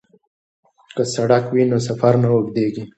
که سړک وي نو سفر نه اوږدیږي.